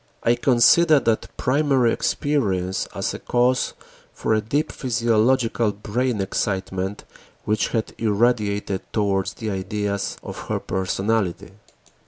I considered that primary experience as cause for a deep physiological brain excitement which had irradiated towards the ideas of her personality.